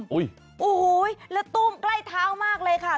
โอ้โหแล้วตู้มใกล้เท้ามากเลยค่ะ